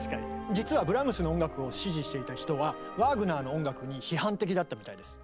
実はブラームスの音楽を支持していた人はワーグナーの音楽に批判的だったみたいです。